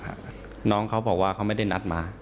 ไปเดี๋ยวน้องเขาบอกว่าไม่ได้นัดมา